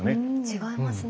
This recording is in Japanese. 違いますね。